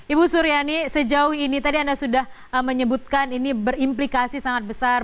ibu suryani sejauh ini tadi anda sudah menyebutkan ini berimplikasi sangat besar